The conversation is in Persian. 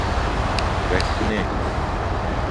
رخنه